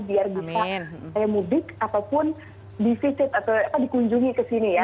biar bisa mudik ataupun di visit atau di kunjungi kesini ya